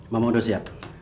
mama udah siap